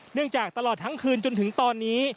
จากตลอดทั้งคืนจนถึงตอนนี้